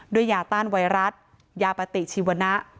ยาต้านไวรัสยาปฏิชีวนะ